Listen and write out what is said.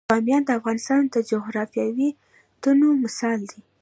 بامیان د افغانستان د جغرافیوي تنوع مثال دی.